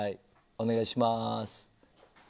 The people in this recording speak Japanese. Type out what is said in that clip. お願いします。